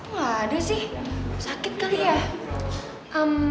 waduh sih sakit kali ya